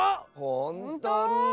ほんとに？